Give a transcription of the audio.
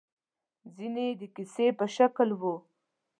ځينې يې د کيسې په شکل وو.